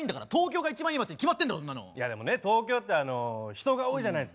いやでもね東京って人が多いじゃないですか。